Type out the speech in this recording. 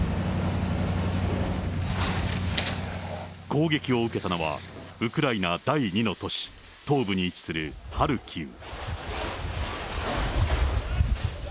攻撃を受けたのは、ウクライナ第２の都市、東部に位置するハルキウ。